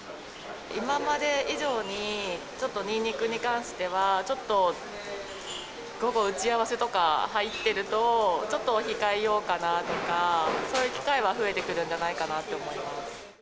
今まで以上にちょっとニンニクに関しては、ちょっと午後、打ち合わせとか入ってると、ちょっと控えようかなとか、そういう機会は増えてくるんじゃないかと思います。